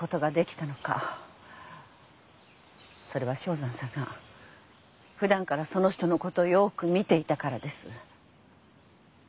それは正山さんが普段からその人のことをよく見ていたからです。